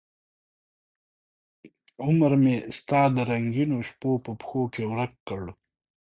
عمرمې ستا د څورنګینوشپو په پښوکې ورک کړ